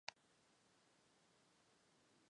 伞房双药芒为禾本科双药芒属下的一个种。